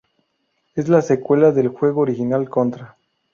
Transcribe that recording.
Es la secuela del juego original Contra.